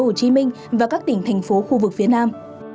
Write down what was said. hồ chí minh và các tỉnh thành phố khu vực phía nam